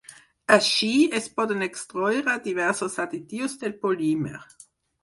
Així, es poden extreure diversos additius del polímer.